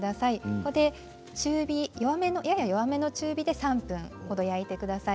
ここで、やや弱めの中火で３分ほど焼いてください。